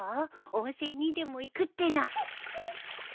温泉にでも行くってのは。